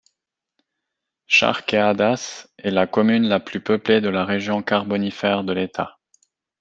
Charqueadas est la commune la plus peuplée de la région carbonifère de l'État.